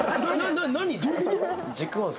何何どういうこと？